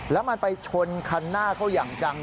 แล้วมันไปชนคันหน้าเขาอย่างจัง